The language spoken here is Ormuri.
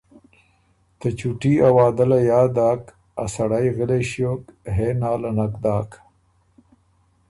ته چُوټي ا وعدۀ یاد داک ا سړئ غلئ ݭیوک، هې نا له نک داک۔